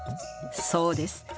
そうです。